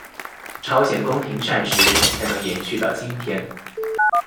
朝鲜宫廷膳食才能延续到今天。